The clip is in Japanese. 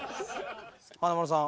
華丸さん